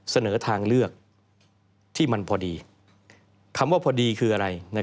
เสนอทางเลือกที่มันพอดีคำว่าพอดีคืออะไร